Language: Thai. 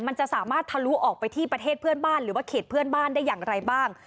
มันจะสามารถทะลุออกไปที่ประเทศเพื่อนบ้านหรือว่าเขตเพื่อนบ้านได้อย่างไรบ้าง